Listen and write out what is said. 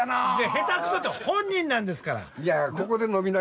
下手くそって本人なんですから。